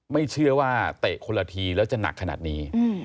ไม่เชื่อว่าเตะคนละทีแล้วจะหนักขนาดนี้